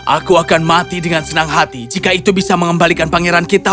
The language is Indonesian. aku akan mati dengan senang hati jika itu bisa mengembalikan pangeran kita